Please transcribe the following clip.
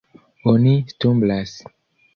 Oni stumblas.